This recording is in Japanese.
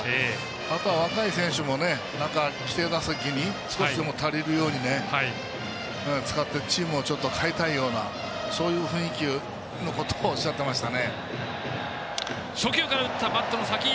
あとは若い選手も規定打席に少しでも足りるように使ってチームを変えたいような雰囲気でおっしゃってましたね。